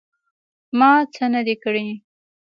_ما څه نه دي کړي.